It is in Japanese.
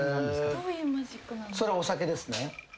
それお酒ですね。